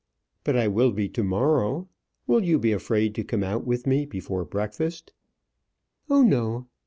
"But I will be to morrow. Will you be afraid to come out with me before breakfast?" "Oh no!